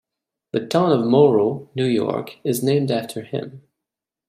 The town of Moreau, New York is named after him.